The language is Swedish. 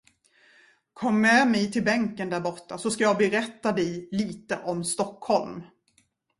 Kom med mig till bänken därborta, så skall jag berätta dig litet om Stockholm.